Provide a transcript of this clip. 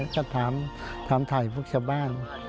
ก็ถามถ่ายพวกชาวบ้าน